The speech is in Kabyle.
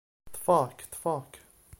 Ṭṭfeɣ-k, ṭṭfeɣ-k.